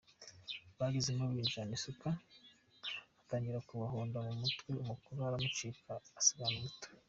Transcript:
Bagezemo yinjirana isuka atangira kubahonda mu mutwe umukuru aramucika, asigarana umuto.